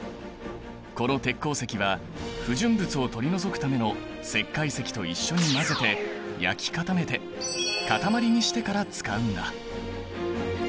この鉄鉱石は不純物を取り除くための石灰石と一緒に混ぜて焼き固めて塊にしてから使うんだ。